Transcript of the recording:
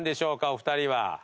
お二人は。